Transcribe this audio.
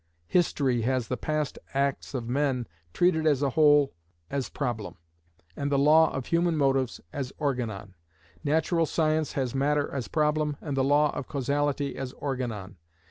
History has the past acts of men treated as a whole as problem, and the law of human motives as organon. Natural science has matter as problem, and the law of causality as organon.